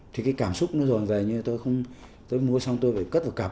thì cái cảm xúc nó dòn dài như tôi không tôi mua xong tôi phải cất vào cạp